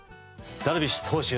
ダルビッシュ投手